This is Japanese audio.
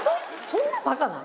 そんなバカな。